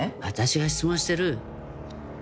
私が質問してる。